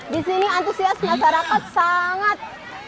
di sini antusias masyarakat sangat